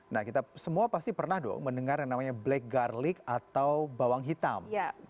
nah kita semua pasti pernah dong mendengar yang namanya black garlic atau bawang hitam